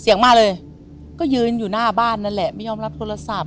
มาเลยก็ยืนอยู่หน้าบ้านนั่นแหละไม่ยอมรับโทรศัพท์